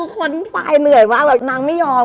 คนไปเหนื่อยมากนางไม่ยอม